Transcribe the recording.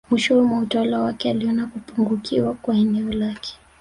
Mwishowe mwa utawala wake aliona kupungukiwa kwa eneo lake